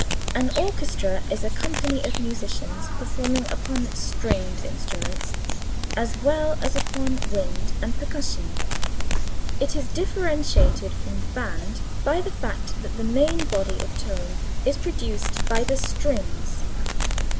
An orchestra is a company of musicians performing upon stringed instruments as well as upon wind and percussion. It is differentiated from the band by the fact that the main body of tone is produced by the strings.